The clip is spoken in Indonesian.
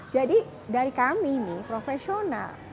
jadi dari kami nih profesional